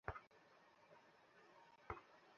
আমি আসলে জানি না, কোন ফ্লাইট।